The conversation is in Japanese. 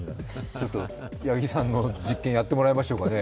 ちょっと八木さんの実験やってもらいましょうかね。